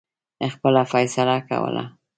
خپله فیصله کوله.